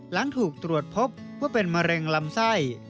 หลังถูกตรวจพบว่าเป็นมะเร็งลำไส้